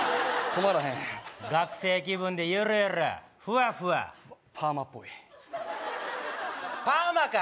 止まらへん学生気分でゆるゆるふわふわパーマっぽいパーマか！